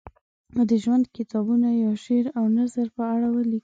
د ژوند کتابونه یا شعر او نثر په اړه ولیکي.